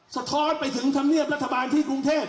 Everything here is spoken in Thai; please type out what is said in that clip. สะท้อนไปถึงธรรมเนียบรัฐบาลที่กรุงเทพ